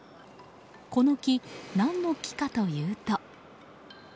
この木、何の木かというと。